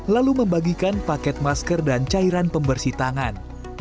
lalu membagikan paket masker dan cairan pembersih tangan